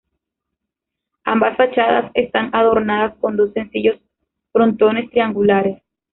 Ambas fachadas están adornadas con dos sencillos frontones triangulares.